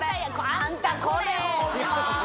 あんたこれ。